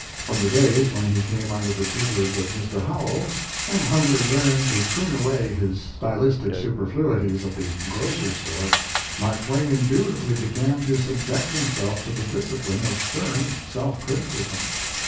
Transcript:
From the days when he came under the tutelage of Mr. Howells, and humbly learned to prune away his stylistic superfluities of the grosser sort, Mark Twain indubitably began to subject himself to the discipline of stern self criticism.